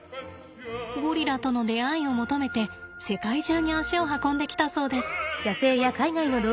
ゴリラとの出会いを求めて世界中に足を運んできたそうです。